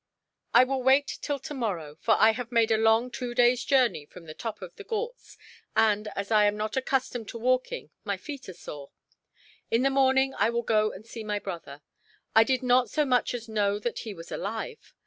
"I will wait till tomorrow, for I have made a long two days' journey from the top of the Ghauts and, as I am not accustomed to walking, my feet are sore. In the morning I will go and see my brother. I did not so much as know that he was alive.